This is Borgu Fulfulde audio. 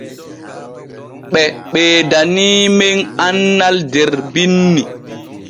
Ɓe ɓeedaniimen annal der binni.